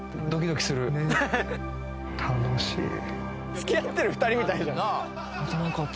「付き合ってる２人みたい」